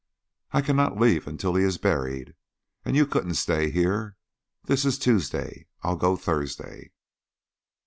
"I cannot leave him until he is buried. And you couldn't stay here. This is Tuesday. I'll go Thursday."